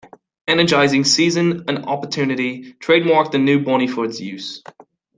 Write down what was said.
Energizer, seizing an opportunity, trademarked a new bunny for its use.